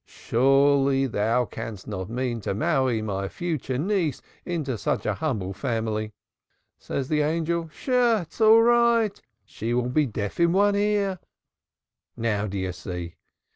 Surely thou canst not mean to marry my future niece into such a humble family.' Said the Angel: 'Sh! It is all right. She will be deaf in one ear.' Now, do you see?